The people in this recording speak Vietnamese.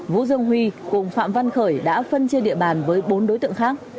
vũ dương huy cùng phạm văn khởi đã phân chia địa bàn với bốn đối tượng khác